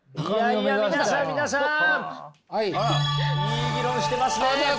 いい議論してますね！